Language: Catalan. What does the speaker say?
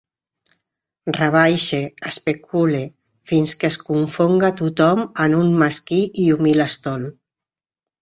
Rebaixe, especule, fins que es confonga tothom en un mesquí i humil estol.